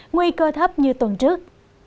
nguy cơ thấp như tuần trước